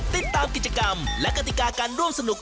ติดตามกิจกรรมและกติกาการร่วมสนุก